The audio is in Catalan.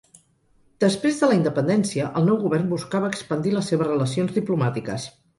Després de la independència, el nou govern buscava expandir les seves relacions diplomàtiques.